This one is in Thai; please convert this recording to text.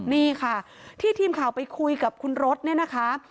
นี่ค่ะที่ทีมข่าวไปคุยกับคุณรถเนี่ยนะคะ